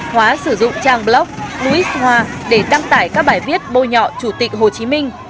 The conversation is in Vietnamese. hóa sử dụng trang blog louis hoa để đăng tải các bài viết bôi nhọt chủ tịch hồ chí minh